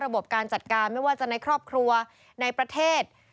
บการจัดการไม่ว่าจะในครอบครัวในประเทศ